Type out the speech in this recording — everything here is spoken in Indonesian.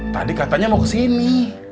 tadi katanya mau kesini